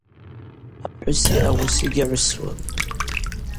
Апхӏвыси ауыси гьагӏвысуам.